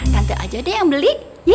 tante aja deh yang beli ye